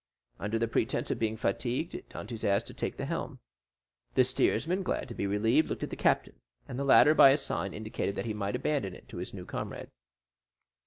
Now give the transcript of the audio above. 0279m Under pretence of being fatigued, Dantès asked to take the helm; the steersman, glad to be relieved, looked at the captain, and the latter by a sign indicated that he might abandon it to his new comrade.